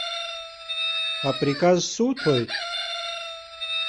Апрказ суҭоит?